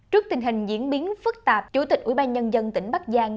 trước tình hình diễn biến phức tạp chủ tịch ủy ban nhân dân tỉnh bắc giang